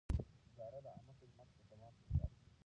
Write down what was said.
اداره د عامه خدمت پر دوام ټینګار کوي.